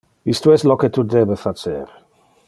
Isto es lo que tu debe facer.